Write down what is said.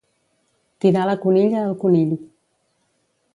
Tirar la conilla al conill.